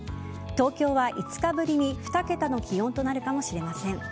東京は５日ぶりに２桁の気温となるかもしれません。